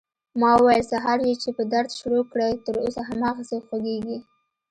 ما وويل سهار يې چې په درد شروع کړى تر اوسه هماغسې خوږېږي.